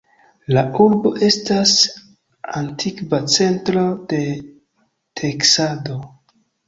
La urbo estas antikva centro de teksado.